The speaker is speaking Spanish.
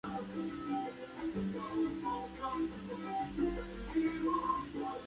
Participó del sitio de Zaragoza y ascendió rápidamente en el escalafón.